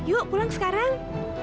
yuk pulang sekarang